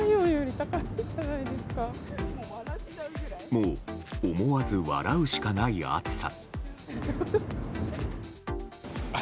もう思わず笑うしかない暑さ。